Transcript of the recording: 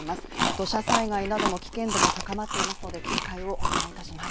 土砂災害などの危険度も高まっていますので警戒をお願いいたします。